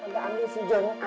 gak ambil kacang dulu ya